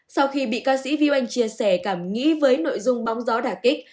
sau khi bị ca sĩ viu anh chia sẻ cảm nghĩ với nội dung bóng gió đà kích